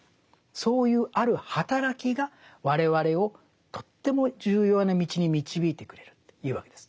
そういうあるはたらきが我々をとっても重要な道に導いてくれるというわけです。